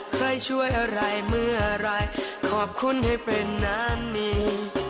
ใครช่วยอะไรเมื่อไหร่ขอบคุณให้เป็นน้ำนี้